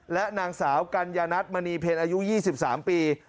และนางสาวกัญญานัทมณีเพลอายุ๒๓ปี